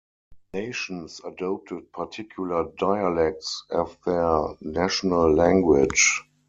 Nations adopted particular dialects as their national language.